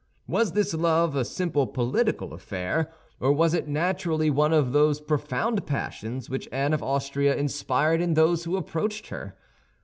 Was this love a simple political affair, or was it naturally one of those profound passions which Anne of Austria inspired in those who approached her?